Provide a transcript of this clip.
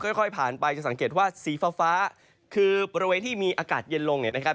ค่อยผ่านไปจะสังเกตว่าสีฟ้าคือบริเวณที่มีอากาศเย็นลงเนี่ยนะครับ